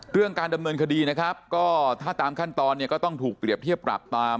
เรื่องการดำเนินคดีนะครับก็ถ้าตามขั้นตอนเนี่ยก็ต้องถูกเปรียบเทียบปรับตาม